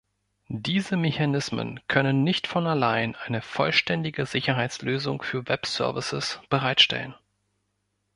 Diese Mechanismen können nicht von allein eine vollständige Sicherheitslösung für Web-Services bereitstellen.